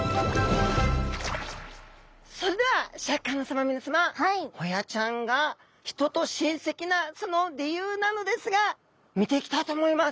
それではシャーク香音さま皆さまホヤちゃんが人と親せきなその理由なのですが見ていきたいと思います。